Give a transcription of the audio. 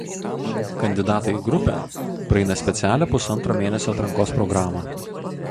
Kandidatai į grupę praeina specialią pusantro mėnesio atrankos programą.